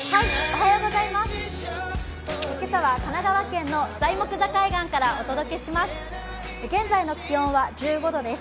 今朝は神奈川県の材木座海岸からお届けします。